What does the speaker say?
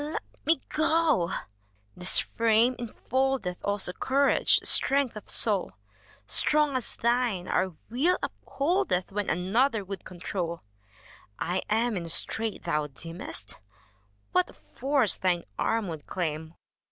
Let me go! This frame infoldeth Also courage, strength of soul : Strong as thine, our will upholdeth. When another would control. I am in a strait, ttiou deemestf What a force thine arm would claim!